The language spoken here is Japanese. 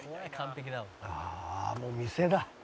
ああもう店だ。